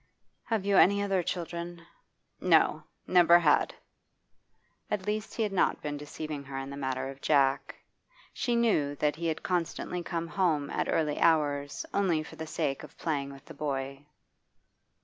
'Have you any other children?' 'No never had.' At least he had not been deceiving her in the matter of Jack. She knew that he had constantly come home at early hours only for the sake of playing with the boy.